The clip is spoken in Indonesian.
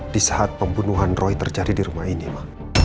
di saat pembunuhan roy terjadi di rumah ini mah